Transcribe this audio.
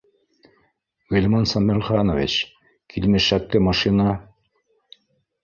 Ғилман Сәмерханович, килмешәкте машина